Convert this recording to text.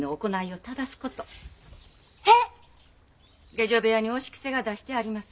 下女部屋にお仕着せが出してあります。